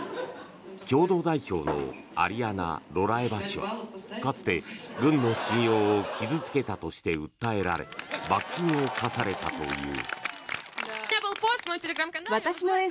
共同代表のアリアナ・ロラエバ氏はかつて軍の信用を傷付けたとして訴えられ罰金を科されたという。